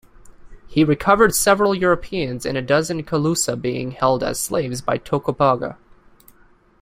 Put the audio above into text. He recovered several Europeans and a dozen Calusa being held as slaves by Tocobaga.